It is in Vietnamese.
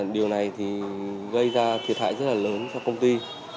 điều này thì gây ra thiệt hại rất là lớn cho công ty